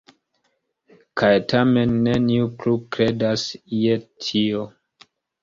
Kaj tamen neniu plu kredas je tio.